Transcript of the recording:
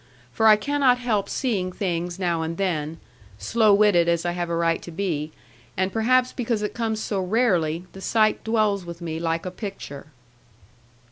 For I cannot help seeing things now and then, slow witted as I have a right to be; and perhaps because it comes so rarely, the sight dwells with me like a picture.